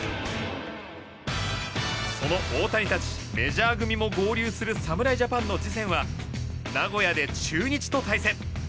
その大谷たちメジャー組も合流する侍ジャパンの次戦は名古屋で中日と対戦。